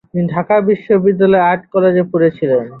তিনি ঢাকা বিশ্ববিদ্যালয়ের আর্ট কলেজে পড়েছিলেন।